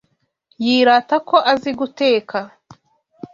Yirata ko azi guteka.